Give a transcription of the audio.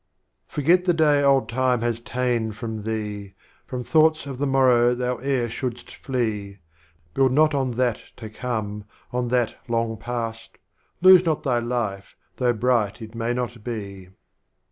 Forget the Day Old Time has ta'en from thee, From Thoughts of the Morrow thou e'er shouldst flee, Build not on That to Como, on That Long Pas3ed, Lose not thy Life, though bright it may not be.